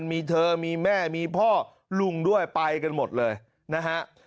มีเธอมีแม่มีพ่อลุงด้วยไปกันหมดเลยนะฮะ